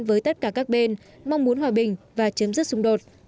với tất cả các bên mong muốn hòa bình và chấm dứt xung đột